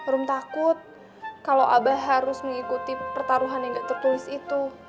harum takut kalau abah harus mengikuti pertaruhan yang gak tertulis itu